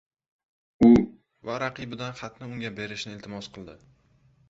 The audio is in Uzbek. u va raqibidan xatni unga berishini iltimos qildi.